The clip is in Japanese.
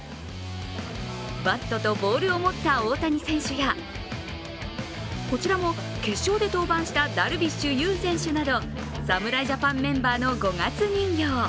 バットとボールを持った大谷選手やこちらも決勝で登板したダルビッシュ有投手など侍ジャパンメンバーの五月人形。